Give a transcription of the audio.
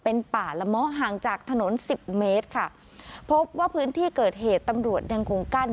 เป็นป่าละเมาะห่างจากถนนสิบเมตรค่ะพบว่าพื้นที่เกิดเหตุตำรวจยังคงกั้น